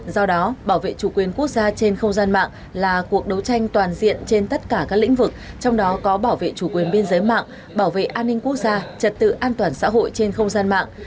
do đó bảo vệ chủ quyền quốc gia trên không gian mạng là cuộc đấu tranh toàn diện trên tất cả các lĩnh vực trong đó có bảo vệ chủ quyền biên giới mạng bảo vệ an ninh quốc gia trật tự an toàn xã hội trên không gian mạng